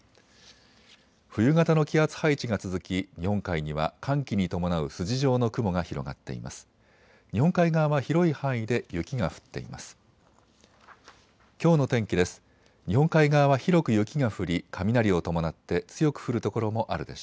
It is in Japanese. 冬型の気圧配置が続き日本海には寒気に伴う筋状の雲が広がっています。